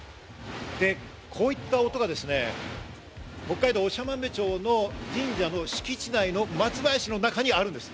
こういった音がですね、北海道長万部町の神社の敷地内の松林の中にあるんです。